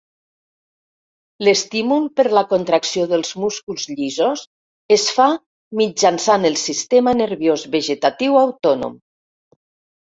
L’estímul per la contracció dels músculs llisos es fa mitjançant el sistema nerviós vegetatiu autònom.